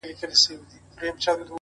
مشر زوى ته يې په ژوند كي تاج پر سر كړ!!